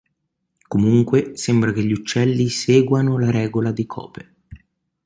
Comunque, sembra che gli Uccelli seguano la regola di Cope.